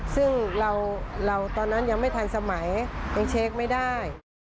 ซึ่งเราตอนนั้นยังไม่ทันสมัยยังเช็คไม่ได้